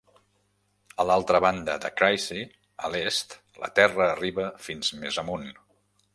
A l'altra banda de Chryse, a l'est, la terra arriba fins més amunt.